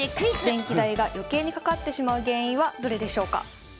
電気代がよけいにかかってしまう原因はどれでしょうか？